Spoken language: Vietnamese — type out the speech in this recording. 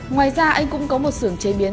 ngoài ra anh cũng có một sưởng chế biến